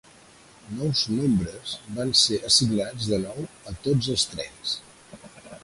Nous nombres van ser assignats de nou a tots els trens.